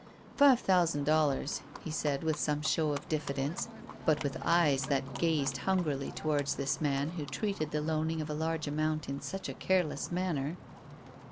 "Five thousand dollars," he said, with some show of diffidence, but with eyes that gazed hungrily towards this man who treated the loaning of a large amount in such a careless manner.